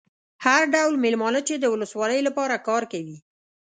هر ډول مېلمانه چې د ولسوالۍ لپاره کار کوي.